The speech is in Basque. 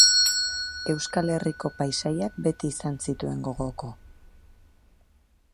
Euskal Herriko paisaiak beti izan zituen gogoko.